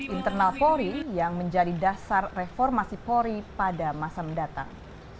internal polri yang menjadi dasar reformasi polri pada masa mendatang